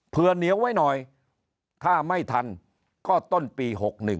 เพื่อเหนียวไว้หน่อยถ้าไม่ทันก็ต้นปี๖๑